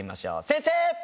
先生！